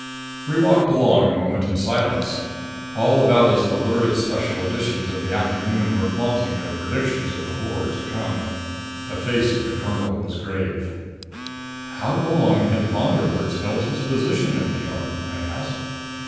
We walked along a moment in silence. All about us the lurid special editions of the afternoon were flaunting their predictions of the horror to come. The face of the colonel was grave. "How long had Von der Herts held his position at the Yard?" I asked.